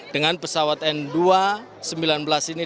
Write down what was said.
dengan pesawat n dua ratus sembilan belas ini